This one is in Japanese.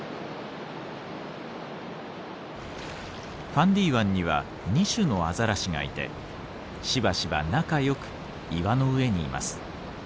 ファンディ湾には２種のアザラシがいてしばしば仲良く岩の上にいます。